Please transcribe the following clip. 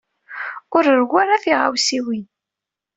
Ur rewwi ara tiɣawsiwin.